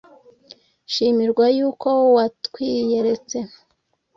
shimirwa y'uko watwiyeretse